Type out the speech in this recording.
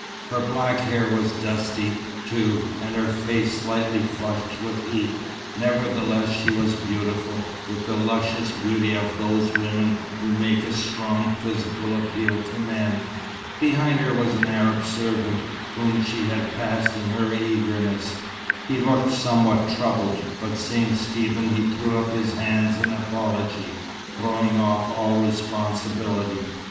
Her black hair was dusty, too, and her face slightly flushed with heat, nevertheless she was beautiful, with the luscious beauty of those women who make a strong physical appeal to men. Behind her was an Arab servant, whom she had passed in her eagerness. He looked somewhat troubled, but seeing Stephen he threw up his hands in apology, throwing off all responsibility.